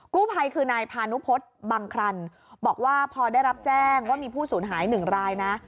กู้ภัยคือนายพานุพฤษบังครันบอกว่าพอได้รับแจ้งว่ามีผู้สูญหาย๑รายนะ